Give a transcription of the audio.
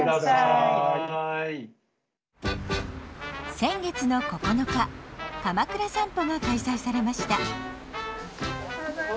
先月の９日かまくら散歩が開催されました。